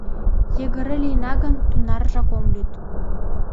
Йыгыре лийына гын, тунаржак ом лӱд.